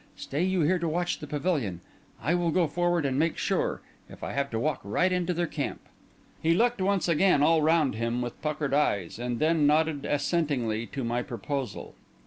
Stay you here to watch the pavilion; I will go forward and make sure, if I have to walk right into their camp." He looked once again all round him with puckered eyes, and then nodded assentingly to my proposal.